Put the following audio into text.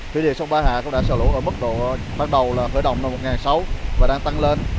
thủy điện sông ba hạ cũng đã xả lũ ở mức độ ban đầu là hởi động một sáu trăm linh và đang tăng lên